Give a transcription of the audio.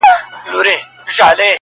بار په چوپتيا کي وړي